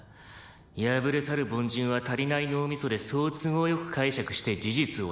敗れ去る凡人は足りない脳みそでそう都合よく解釈して事実をねじ曲げる」